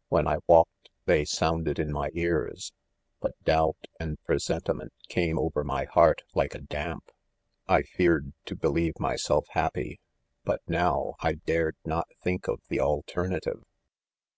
— When I walked they sounded in my ears, but doubt and presentiment came over my heart like a damp. I feared to believe myself' hap py, but now, I dared not think of the alterna tive.